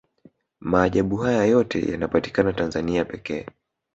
maajabu haya yote yanapatikana tanzania pekee